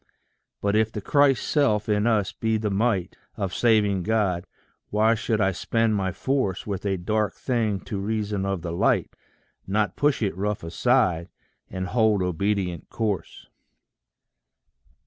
But if the Christ self in us be the might Of saving God, why should I spend my force With a dark thing to reason of the light Not push it rough aside, and hold obedient course?